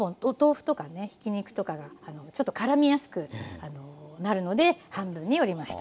ひき肉とかがちょっとからみやすくなるので半分に折りました。